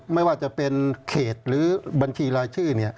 ไม่ว่าจะเป็นเขตหรือบัญชีรายชื่อ